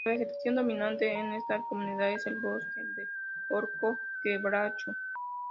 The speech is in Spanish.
La vegetación dominante en esta comunidad es el bosque de horco-quebracho.